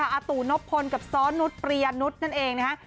อาตูนบพลกับซ้อนุฏปรียะนุฏนั่นเองนะคะ